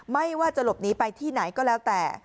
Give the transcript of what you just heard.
ไม่ว่าจะหลบหนีไปที่ไหนก็แล้วแต่